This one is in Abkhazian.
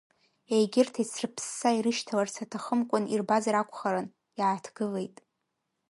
Егьырҭ еицрыԥсса ирышьҭаларц аҭахымкәан ирбазар акәхарын, иааҭгылеит.